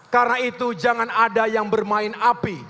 karena itu jangan ada yang bermain api